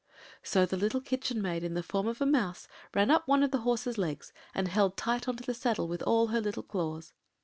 ” So the little Kitchen Maid, in the form of the mouse, ran up one of the horse’s legs, and held tight on to the saddle with all her little claws.